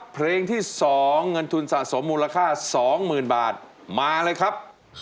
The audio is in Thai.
เพลงที่๒เงินทุนสะสมมูลค่า๒๐๐๐บาทมาเลยครับ